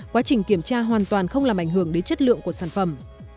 quá trình kiểm tra hoàn toàn không làm ảnh hưởng đến chất lượng của sản phẩm